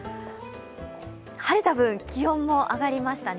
晴れた分、気温も上がりましたね。